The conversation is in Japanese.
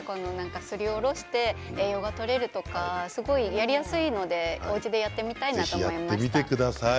すりおろして栄養がとれるとかやりやすいので、おうちでやってみたいと思います。